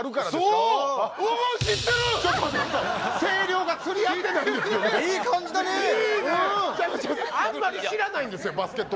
違うあんまり知らないんですよバスケットボール。